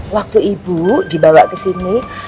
waktu ibu dibawa kesini